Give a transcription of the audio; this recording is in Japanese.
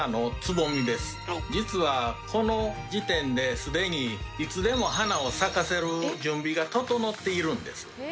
実はこの時点で既にいつでも花を咲かせる準備が整っているんです。